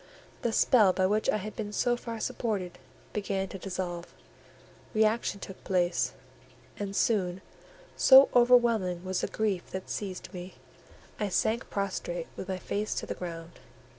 The spell by which I had been so far supported began to dissolve; reaction took place, and soon, so overwhelming was the grief that seized me, I sank prostrate with my face to the ground.